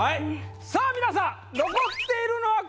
さあ皆さん残っているのはこのお２人。